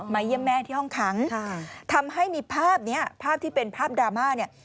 เยี่ยมแม่ที่ห้องขังทำให้มีภาพนี้ภาพที่เป็นภาพดราม่าเนี่ย